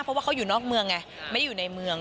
เพราะว่าเขาอยู่นอกเมืองไงไม่ได้อยู่ในเมือง